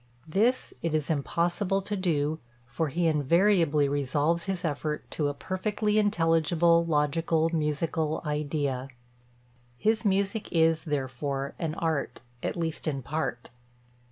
This it is impossible to do, for he invariably resolves his effort to a perfectly intelligible, logical, musical idea. His music is, therefore, an art at least in part.